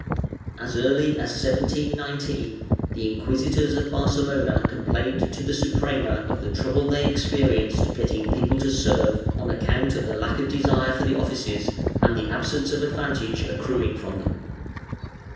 As early as 1719, the inquisitors of Barcelona complained to the Suprema of the trouble they experienced getting people to serve, on account of lack of desire for the offices and the absence of advantage accruing from them.